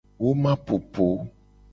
Woma popo.